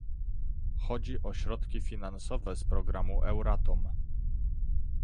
Chodzi o środki finansowe z programu Euratom